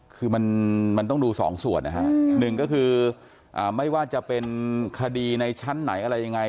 คือมันต้องดูสองส่วนนะฮะหนึ่งก็คือไม่ว่าจะเป็นคดีในชั้นไหนอะไรยังไง